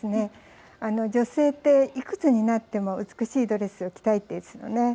女性っていくつになっても美しいドレスを着たいですよね。